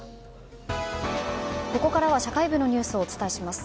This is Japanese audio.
ここからは社会部のニュースをお伝えします。